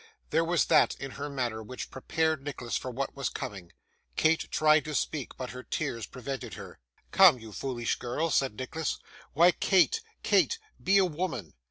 There was that in her manner which prepared Nicholas for what was coming. Kate tried to speak, but her tears prevented her. 'Come, you foolish girl,' said Nicholas; 'why, Kate, Kate, be a woman!